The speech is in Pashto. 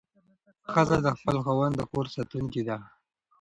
ښځه د خپل خاوند د کور ساتونکې ده.